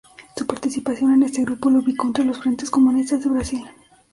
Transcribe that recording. Su participación en este grupo la ubicó entre los frentes comunistas de Brasil.